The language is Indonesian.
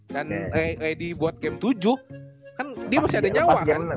dan ad buat game tujuh kan dia masih ada nyawa kan